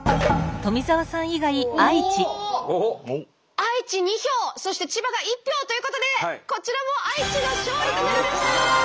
愛知２票そして千葉が１票ということでこちらも愛知の勝利となりました！